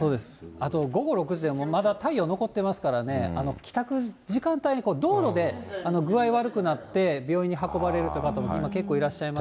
あと午後６時でもまだ太陽残ってますからね、帰宅時間帯に道路で具合悪くなって、病院に運ばれるという方も結構いらっしゃいます